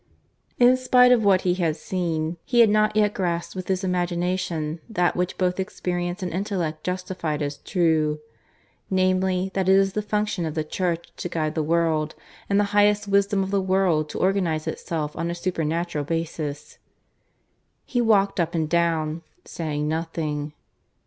In spite of what he had seen, he had not yet grasped with his imagination that which both experience and intellect justified as true namely, that it is the function of the Church to guide the world, and the highest wisdom of the world to organize itself on a supernatural basis. He walked up and down, saying nothing.